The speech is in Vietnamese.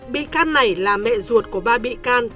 bị can này là mẹ ruột của ba bị can